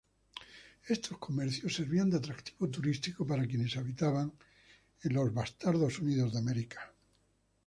Estos comercios servían de atractivo turístico para quienes habitaban en Estados Unidos.